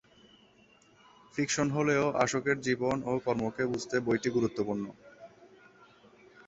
Fiction হলেও অশোকের জীবন ও কর্মকে বুঝতে বইটি গুরুত্বপূর্ণ।